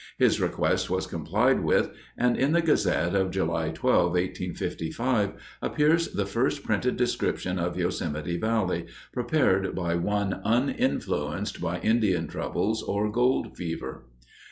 His request was complied with, and in the Gazette of July 12, 1855, appears the first printed description of Yosemite Valley, prepared by one uninfluenced by Indian troubles or gold fever.